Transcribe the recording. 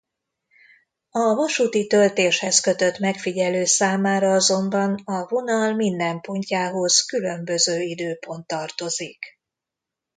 A vasúti töltéshez kötött megfigyelő számára azonban a vonal minden pontjához különböző időpont tartozik.